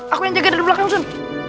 aku yang jaga dari belakang oh sun